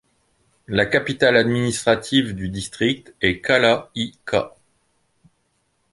La capitale administrative du district est Qala i Kah.